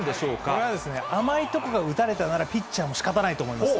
これはですね、甘いところが打たれたなら、ピッチャーもしかたないと思うんですよ。